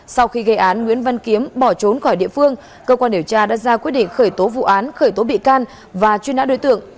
sau khi gây án nguyễn văn kiếm bỏ trốn khỏi địa phương cơ quan điều tra đã ra quyết định khởi tố vụ án khởi tố bị can và truy nã đối tượng